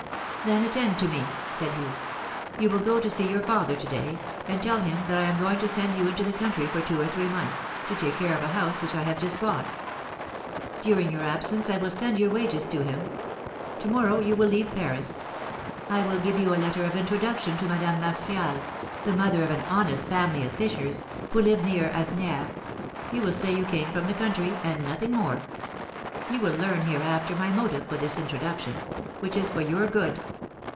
'Then attend to me,' said he; 'you will go to see your father to day, and tell him that I am going to send you into the country for two or three months, to take care of a house which I have just bought. During your absence I will send your wages to him. To morrow you will leave Paris. I will give you a letter of introduction to Madame Martial, the mother of an honest family of fishers, who live near Asnières. You will say you came from the country and nothing more. You will learn hereafter my motive for this introduction, which is for your good.